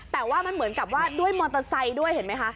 แต่ว่ามันเหมือนกับว่าด้วยมอเตอร์ไซค์ด้วยเห็นไหมคะ